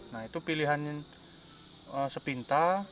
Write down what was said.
nah itu pilihan yang sepintar